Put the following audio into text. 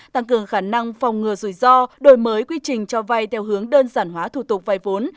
tăng cường khả năng phòng ngừa rủi ro đổi mới quy trình cho vay theo hướng đơn giản hóa thủ tục vay vốn